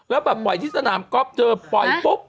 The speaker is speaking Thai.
แล้วแบบปล่อยที่สนามก๊อฟเธอปล่อยปุ๊บ